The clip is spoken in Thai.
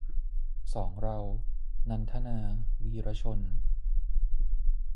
สองเรา - นันทนา วีระชน